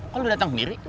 kok lo dateng sendiri